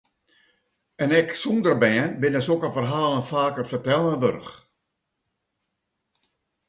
En ek sûnder bern binne sokke ferhalen faak it fertellen wurdich.